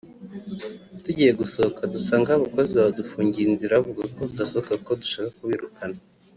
tugiye gusohoka dusanga ba bakozi badufungiye inzira bavuga ko tudasohoka kuko dushaka kubirukana